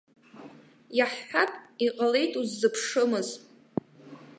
Иаҳҳәап, иҟалеит уззыԥшымыз.